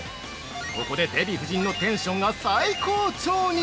ここでデヴィ夫人のテンションが最高潮に。